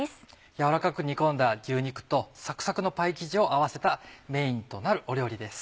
軟らかく煮込んだ牛肉とサクサクのパイ生地を合わせたメインとなるお料理です。